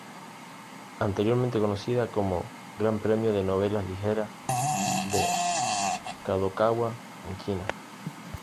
Anteriormente conocida como "Gran premio de novelas ligeras de "Kadokawa" en China".